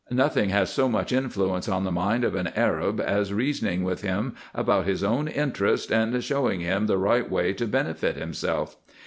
Nothing has so much influence on the mind of an Arab as reasoning with him about his own interest, and showing him the right way to benefit himself.